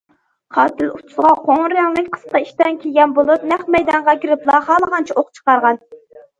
قاتىل ئۇچىسىغا قوڭۇر رەڭلىك قىسقا ئىشتان كىيگەن بولۇپ، نەق مەيدانغا كىرىپلا خالىغانچە ئوق چىقارغان.